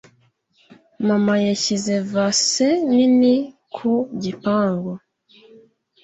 Mama yashyize vase nini ku gipangu